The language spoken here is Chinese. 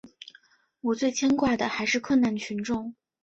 我最牵挂的还是困难群众。